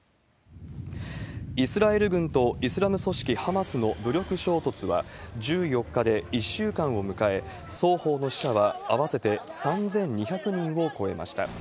イスラエル軍とイスラム組織ハマスの武力衝突は、１４日で１週間を迎え、双方の死者は合わせて３２００人を超えました。